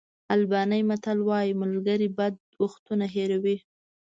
آلباني متل وایي ملګري بد وختونه هېروي.